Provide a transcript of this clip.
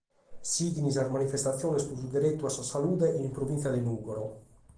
Sighint sas manifestatziones pro su deretu a sa salude in provìntzia de Nùgoro.